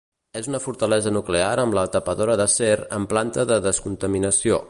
És una fortalesa nuclear amb la tapadora de ser una planta de descontaminació.